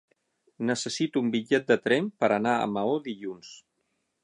Necessito un bitllet de tren per anar a Maó dilluns.